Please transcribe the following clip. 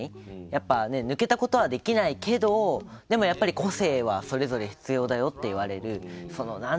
やっぱり抜けたことはできないけどでもやっぱり個性はそれぞれ必要だよと言われる。